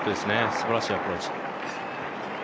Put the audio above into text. すばらしいアプローチ。